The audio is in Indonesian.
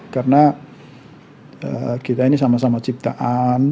karena kita ini sama sama ciptaan